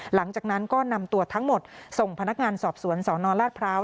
หลังจากนั้นก็นำตัวทั้งหมดส่งพนักงานสอบสวนสนราชพร้าว